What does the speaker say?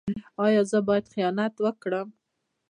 ایا زه باید خیانت وکړم؟